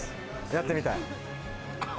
やってみたい。